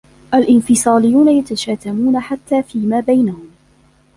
الإنفصاليون يتشاتمون حتى فيما بينهم.